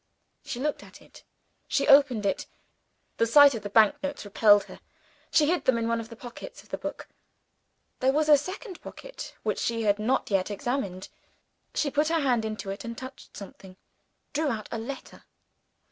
She looked at it. She opened it. The sight of the bank notes repelled her; she hid them in one of the pockets of the book. There was a second pocket which she had not yet examined. She pat her hand into it, and, touching something, drew out a letter.